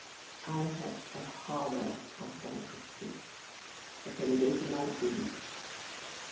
I have a horror of bankruptcy, At any rate in my dreams.